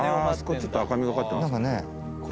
ちょっと赤みがかってますね